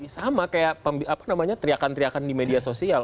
sama kayak apa namanya teriakan teriakan di media sosial